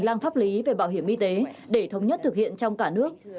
để làm pháp lý về bảo hiểm y tế để thống nhất thực hiện trong cả nước